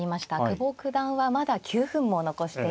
久保九段はまだ９分も残しています。